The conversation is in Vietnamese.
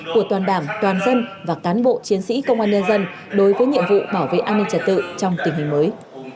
của toàn đảng toàn dân và cán bộ chiến sĩ công an nhân dân đối với nhiệm vụ bảo vệ an ninh trật tự trong tình hình mới